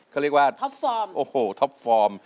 เขาเรียกว่าท็อปฟอร์มโอ้โหท็อปฟอร์ม